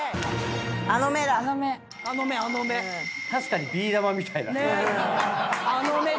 確かにビー玉みたいだね。